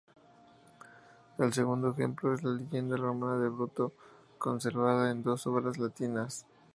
El segundo ejemplo es la leyenda romana de Bruto, conservada en dos obras latinas.